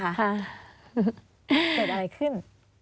เกิดอะไรขึ้น